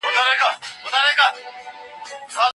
ذهني ستړیا فزیکي ستړیا زیاتوي.